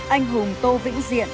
anh hùng tô vĩnh diện